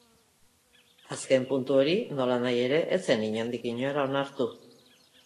Azken puntu hori, nolanahi ere, ez zen inondik inora onartu.